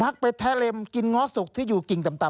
ไปแทะเล็มกินง้อสุกที่อยู่กิ่งต่ำ